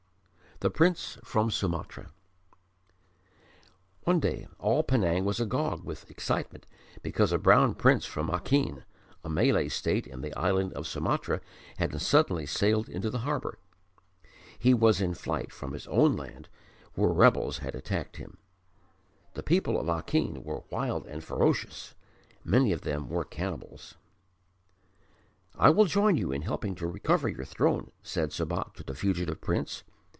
The Prince from Sumatra One day all Penang was agog with excitement because a brown Prince from Acheen, a Malay State in the island of Sumatra, had suddenly sailed into the harbour. He was in flight from his own land, where rebels had attacked him. The people of Acheen were wild and ferocious; many of them were cannibals. "I will join you in helping to recover your throne," said Sabat to the fugitive Prince.